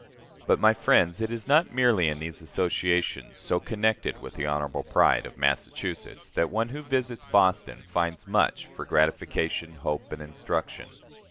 But, my friends, it is not merely in these associations, so connected with the honorable pride of Massachusetts, that one who visits Boston finds much for gratification, hope, and instruction.